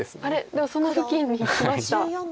でもその付近にいきました。